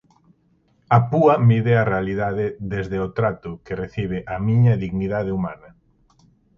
A púa mide a realidade desde o trato que recibe a miña dignidade humana.